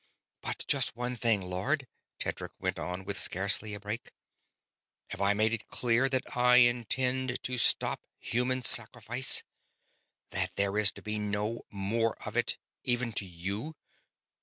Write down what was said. "But just one thing, Lord," Tedric went on with scarcely a break. "Have I made it clear that I intend to stop human sacrifice? That there is to be no more of it, even to you?